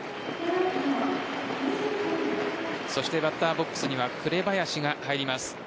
そしてバッターボックスには紅林が入ります。